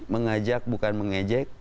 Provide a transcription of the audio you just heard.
mengajak bukan mengejek